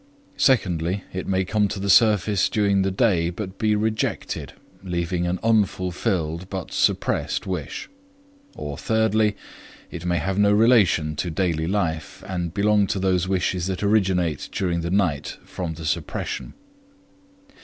Secondly, it may come to the surface during the day but be rejected, leaving an unfulfilled but suppressed wish. Or, thirdly, it may have no relation to daily life, and belong to those wishes that originate during the night from the suppression.